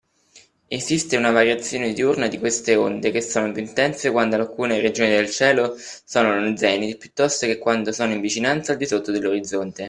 esiste una variazione diurna di queste onde che sono più intense quando alcune regioni del cielo sono allo zenith piuttosto che quando sono in vicinanza o al di sotto dell’orizzonte.